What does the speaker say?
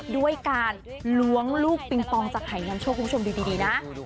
ด้วยการล้วงลูกปิงปองจากหายนำโชคคุณผู้ชมดูดีนะ